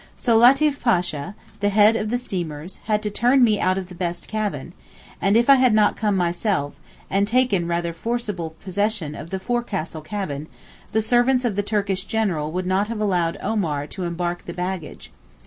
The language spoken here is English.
So Latif Pasha, the head of the steamers, had to turn me out of the best cabin, and if I had not come myself, and taken rather forcible possession of the forecastle cabin, the servants of the Turkish General would not have allowed Omar to embark the baggage.